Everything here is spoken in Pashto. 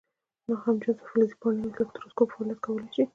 ناهمجنسه فلزي پاڼې الکتروسکوپ فعالیت کولی شي؟